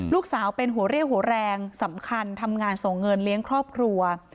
ลูกสาวเป็นหัวเรี่ยวหัวแรงสำคัญทำงานส่งเงินเลี้ยงครอบครัว